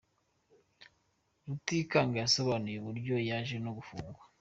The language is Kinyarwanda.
Rutikanga yasobanuye uburyo yaje no gufungwa.